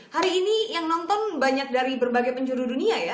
hari ini yang nonton banyak dari berbagai penjuru dunia ya